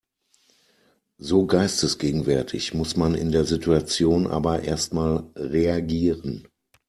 So geistesgegenwärtig muss man in der Situation aber erstmal reagieren.